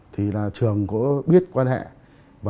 thì trường có biết quan hệ và dẫn thùy ra ngoài bóng cái